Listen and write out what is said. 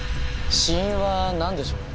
死因はなんでしょう？